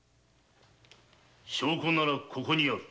証拠ならここにある。